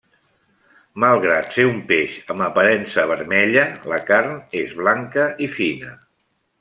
Malgrat ser un peix amb aparença vermella, la carn és blanca i fina.